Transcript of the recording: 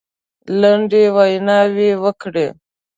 لنډې ویناوي وکړې.